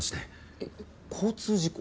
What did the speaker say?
え交通事故？